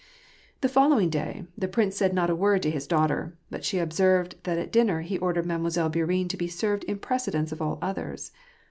The following day, the prince said not a word to his daughter ; but she observed that at dinner he ordered Made moiselle Bourienne to be served in precedence of all others.